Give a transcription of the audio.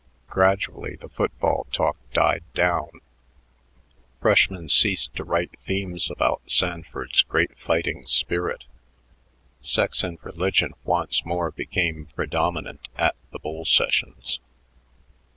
Gradually the football talk died down; freshmen ceased to write themes about Sanford's great fighting spirit; sex and religion once more became predominant at the "bull sessions."